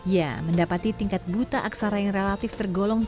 ya mendapati tingkat buta aksara yang relatif tergolong